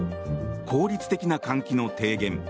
効率的な換気の提言